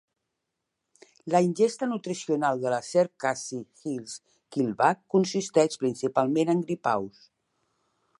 La ingesta nutricional de la serp Khasi Hills Keelback consisteix principalment en gripaus.